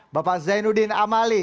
bapak zainuddin amali